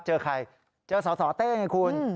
เจอใครเจอสสเต้ไงคุณ